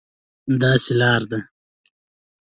داسې لار ده،